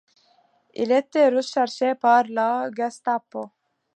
Il était recherché par la Gestapo.